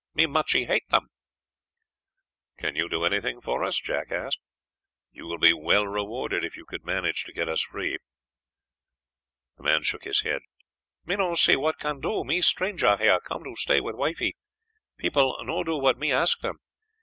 Me muchee hate them." "Can you do anything for us?" Jack asked. "You will be well rewarded if you could manage to get us free." The man shook his head. "Me no see what can do, me stranger here; come to stay with wifey; people no do what me ask them.